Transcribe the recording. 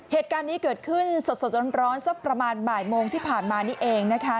เหตุการณ์นี้เกิดขึ้นสดร้อนสักประมาณบ่ายโมงที่ผ่านมานี่เองนะคะ